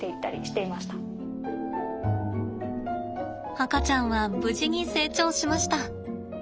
赤ちゃんは無事に成長しました。